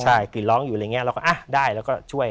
ใช่กรีดร้องอยู่อะไรอย่างนี้เราก็อ๊ะได้เราก็ช่วย